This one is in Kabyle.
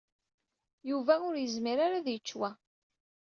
Yuba ur yezmir ara ad yečč wa.